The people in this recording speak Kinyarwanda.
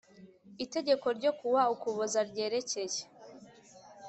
Itegeko ryo ku wa Ukuboza ryerekeye